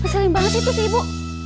masa lembangas itu sih ibu